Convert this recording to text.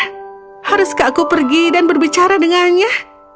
apa yang tidak terhentakan saya berbicara dengan ia